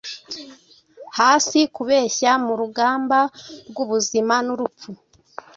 Hasi kubeshya murugamba rwubuzima-n-urupfu